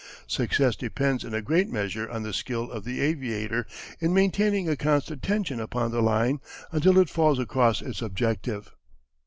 Success depends in a great measure on the skill of the aviator in maintaining a constant tension upon the line until it falls across its objective.